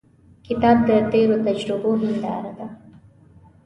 کتاب د تیرو تجربو هنداره ده.